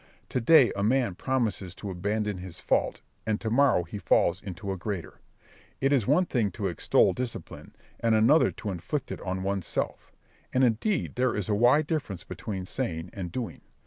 To day a man promises to abandon his fault, and to morrow he falls into a greater. It is one thing to extol discipline, and another to inflict it on one's self; and indeed there is a wide difference between saying and doing.